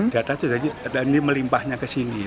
di atas itu dan ini melimpahnya ke sini